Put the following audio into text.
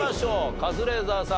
カズレーザーさん